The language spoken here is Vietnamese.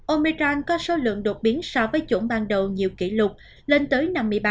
omechang có số lượng đột biến so với chủng ban đầu nhiều kỷ lục lên tới năm mươi ba